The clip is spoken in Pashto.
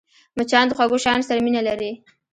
مچان د خوږو شيانو سره مینه لري